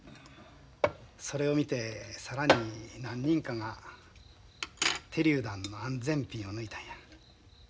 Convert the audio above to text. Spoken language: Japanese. それを見て更に何人かが手りゅう弾の安全ピンを抜いたんや。